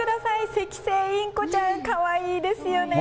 セキセイインコちゃん、かわいいですよね。